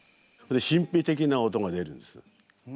神秘的な音が出るんです。